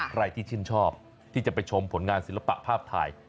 ใครที่ชื่นชอบที่จะไปชมผลงานศิลปะภาพถ่าย